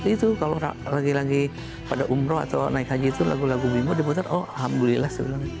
itu kalau lagi lagi pada umroh atau naik haji itu lagu lagu bimbo diputer oh alhamdulillah